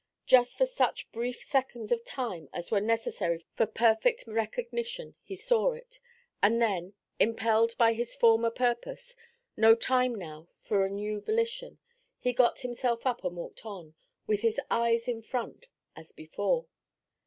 Just for such brief seconds of time as were necessary for perfect recognition he saw it; and then, impelled by his former purpose no time now for a new volition he got himself up and walked on, with his eyes in front as before.